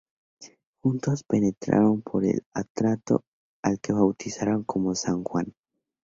Juntos penetraron por el Atrato, al que bautizaron como San Juan.